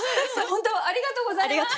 本当ありがとうございます。